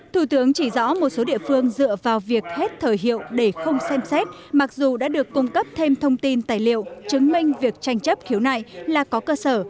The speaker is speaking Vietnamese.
thủ tướng chỉ rõ một số địa phương dựa vào việc hết thời hiệu để không xem xét mặc dù đã được cung cấp thêm thông tin tài liệu chứng minh việc tranh chấp khiếu nại là có cơ sở